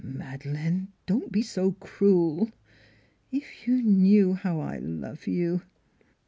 " Madeleine don't be so cruel. If you knew how I love you!